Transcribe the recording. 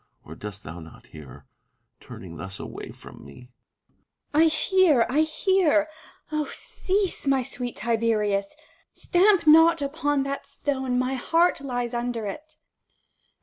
Or dost thou not hear % turning thus away from me ! Vipsania. I hear ; I hear ! Oh cease, my sweet Tiberius ! Stamp not upon that stone : my heart lies under it.